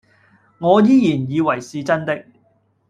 我依然以為是真的